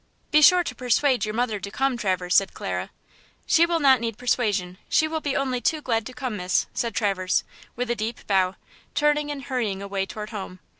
"Be sure to persuade your mother to come, Traverse," said Clara. "She will not need persuasion; she will be only too glad to come, miss," said Traverse, with a deep bow, turning and hurrying away toward home.